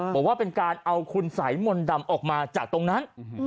บอกว่าเป็นการเอาคุณสัยมนต์ดำออกมาจากตรงนั้น